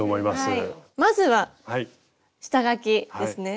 まずは下描きですね。